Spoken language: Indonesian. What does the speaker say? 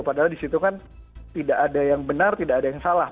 padahal di situ kan tidak ada yang benar tidak ada yang salah